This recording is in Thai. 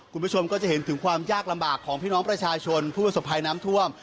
คุณผู้ชมก็จะเห็นถึงความยากลำบากของพี่น้องประชาชนผู้ประสบภัยน้ำท่วม